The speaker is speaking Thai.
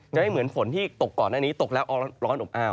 ไม่เหมือนฝนที่ตกก่อนหน้านี้ตกแล้วร้อนอบอ้าว